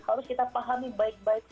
harus kita pahami baik baik